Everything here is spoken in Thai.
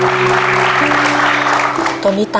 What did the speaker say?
ผมรักพ่อกับแม่บ้างครับ